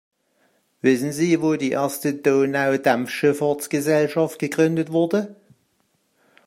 Wissen Sie, wo die erste Donaudampfschifffahrtsgesellschaft gegründet wurde?